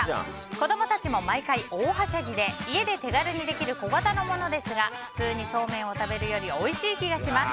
子供たちも毎回大はしゃぎで家で手軽にできる小型のものですが普通にそうめんを食べるより、おいしい気がします。